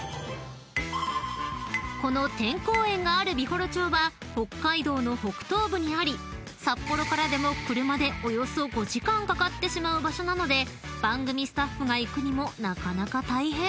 ［この「点香苑」がある美幌町は北海道の北東部にあり札幌からでも車でおよそ５時間かかってしまう場所なので番組スタッフが行くにもなかなか大変］